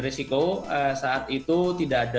risiko saat itu tidak ada